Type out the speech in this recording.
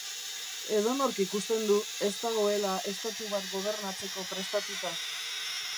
Edonork ikusten du ez dagoela estatu bat gobernatzeko prestatuta.